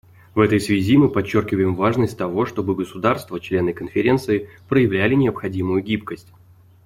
В этой связи мы подчеркиваем важность того, чтобы государства — члены Конференции проявляли необходимую гибкость.